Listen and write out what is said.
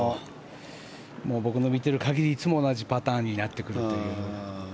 僕の見てる限りいつも同じパターンになってくるという。